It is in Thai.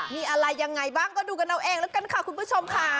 มีอะไรยังไงบ้างก็ดูกันเอาเองแล้วกันค่ะคุณผู้ชมค่ะ